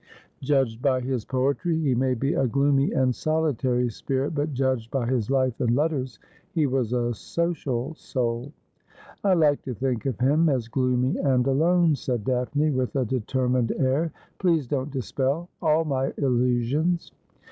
J udged by his poetry, he may be a gloomy and solitary spirit ; but judged by his life and letters, he was a social soul.' ' I like to think of him as gloomy and alone,' said Daphne, with a determined air. ' Please don't dispel all my illusions.'